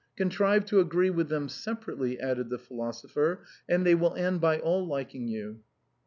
" Contrive to agree with them separately," added the philosopher, " and they will end by all liking you."